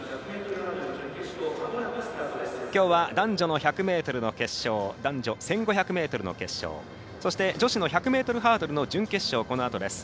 きょうは男女の１００ｍ決勝男女１５００ｍの決勝女子１００ｍハードルの準決勝、このあとです。